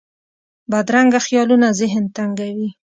بدرنګه خیالونه ذهن تنګوي